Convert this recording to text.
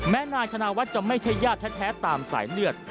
นายธนาวัฒน์จะไม่ใช่ญาติแท้ตามสายเลือด